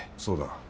そうだ。